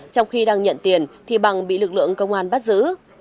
trong khi đang nhận tiền thì bằng bị lực lượng công an bắt giữ